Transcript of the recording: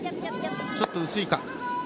ちょっと薄いか。